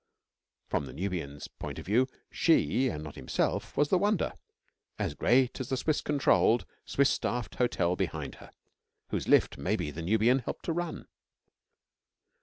From the Nubian's point of view she, and not himself, was the wonder as great as the Swiss controlled, Swiss staffed hotel behind her, whose lift, maybe, the Nubian helped to run.